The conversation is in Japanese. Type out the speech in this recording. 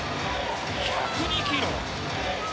１０２キロ。